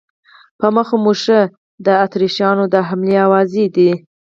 په مخه مو ښه، د اتریشیانو د حملې آوازې دي.